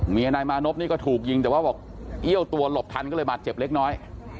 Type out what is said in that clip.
นายมานพนี่ก็ถูกยิงแต่ว่าบอกเอี้ยวตัวหลบทันก็เลยบาดเจ็บเล็กน้อย